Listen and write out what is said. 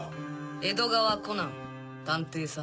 江戸川コナン探偵さ。